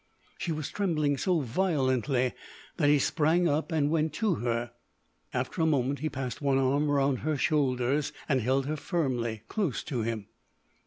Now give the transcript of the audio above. She was trembling so violently that he sprang up and went to her. After a moment he passed one arm around her shoulders and held her firmly, close to him.